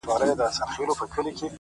د نورو اورېدل پوهه زیاتوي؛